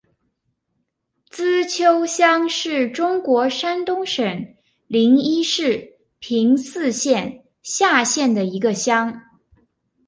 资邱乡是中国山东省临沂市平邑县下辖的一个乡。